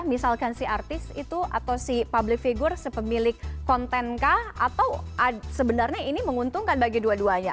misalkan si artis itu atau si public figure sepemilik konten kah atau sebenarnya ini menguntungkan bagi dua duanya